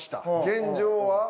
現状は？